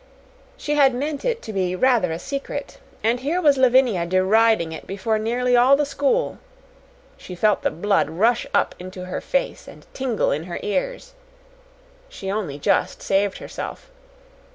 She had meant it to be rather a secret, and here was Lavinia deriding it before nearly all the school. She felt the blood rush up into her face and tingle in her ears. She only just saved herself.